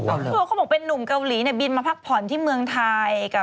ก็คือเขาบอกว่าเป็นนุ่มเกาหลีบินมาพักผ่อนที่เมืองไทย